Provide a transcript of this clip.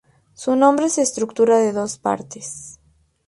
Su nombre se estructura en dos partes.